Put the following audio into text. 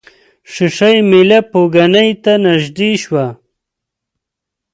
ښيښه یي میله پوکڼۍ ته نژدې شوه.